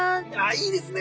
いいですね。